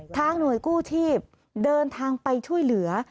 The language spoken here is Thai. หน่วยกู้ชีพเดินทางไปช่วยเหลือ